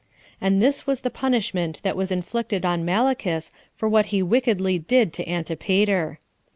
And this was the punishment that was inflicted on Malichus for what he wickedly did to Antipater.